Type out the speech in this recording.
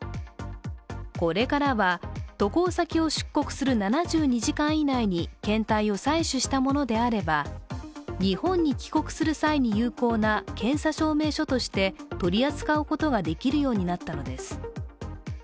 これからは渡航先を出国する７２時間以内に検体を採取したものであれば、日本に帰国する際に有効な検査証明書として取り扱うことができるようになったのです。